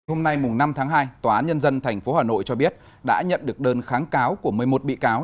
hôm nay năm tháng hai tòa án nhân dân tp hà nội cho biết đã nhận được đơn kháng cáo của một mươi một bị cáo